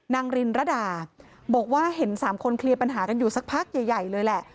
รินระดาบอกว่าเห็น๓คนเคลียร์ปัญหากันอยู่สักพักใหญ่เลยแหละ